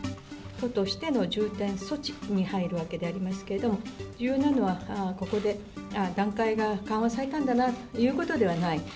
都としての重点措置に入るわけでありますけれども、重要なのは、ここで段階が緩和されたんだなということではない。